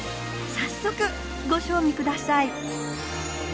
早速ご賞味ください。